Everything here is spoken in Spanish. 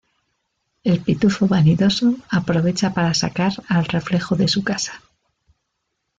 El Pitufo Vanidoso aprovecha para sacar al reflejo de su casa.